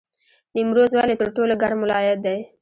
نیمروز ولې تر ټولو ګرم ولایت دی؟